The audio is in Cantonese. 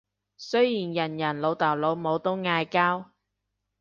雖然人人老豆老母都嗌交